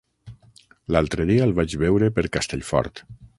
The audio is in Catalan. L'altre dia el vaig veure per Castellfort.